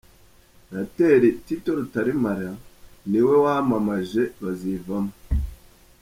Senateri Tito Rutaremara ni we wamamaje Bazivamo.